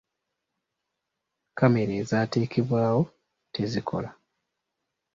Kamera ezaatekebwawo tezikola.